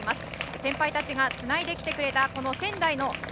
先輩たちがつないできてくれた仙台の襷。